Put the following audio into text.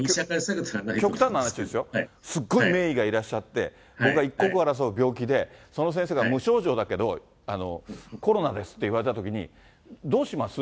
極端な話ですよ、すごい名医がいらっしゃって、僕が一刻を争う病気で、その先生が無症状だけど、コロナですって言われたときに、どうします？